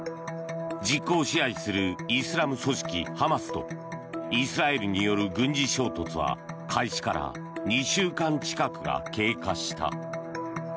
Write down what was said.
実効支配するイスラム組織ハマスとイスラエルによる軍事衝突は開始から２週間近くが経過した。